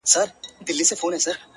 زنګ وهلی د خوشال د توري شرنګ یم-